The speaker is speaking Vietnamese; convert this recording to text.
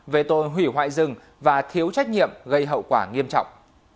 về tội hủy hoại rừng và thiếu trách nhiệm gây hậu quả nghiêm trọng